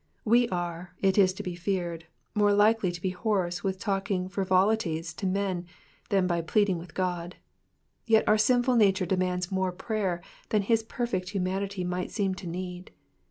We are, it is to be feared, more likely to be hoarse with till king frivolities to men than by pleading with God ; yet our sinful nature demands more prayer than his perfect humanity might seem to need.